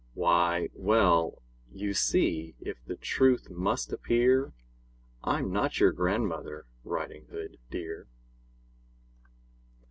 Why, well: you see if the truth must appear I'm not your grandmother, Riding Hood, dear!